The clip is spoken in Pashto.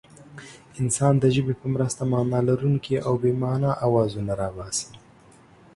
انسان د ژبې په مرسته مانا لرونکي او بې مانا اوازونه را باسي.